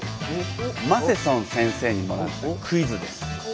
マセソン先生にもらったクイズです。